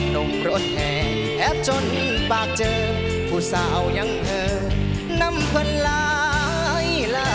นมรดแอแอบจนปากเจอผู้สาวยังเผลอน้ำเพิ่นหลาย